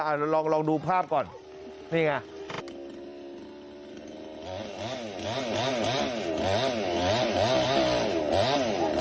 อ่ะเราลองลองดูภาพก่อนนี่ไง